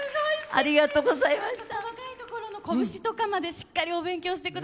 ありがとうございます。